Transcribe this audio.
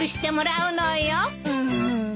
うん。